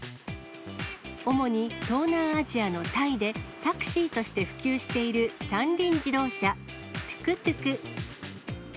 主に東南アジアのタイで、タクシーとして普及している三輪自動車、トゥクトゥク。